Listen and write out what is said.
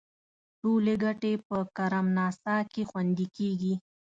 ټولې ګټې په کرم ناسا کې خوندي کیږي.